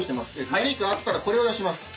何かあったらこれを出します。